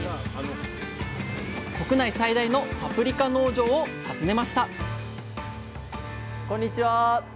国内最大のパプリカ農場を訪ねましたこんにちは。